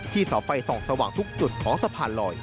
เสาไฟส่องสว่างทุกจุดของสะพานลอย